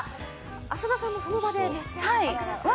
浅田さんもその場で召し上がってください。